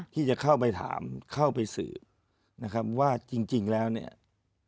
ที่จะเข้าไปถามเข้าไปสืบนะครับว่าจริงแล้วเนี่ย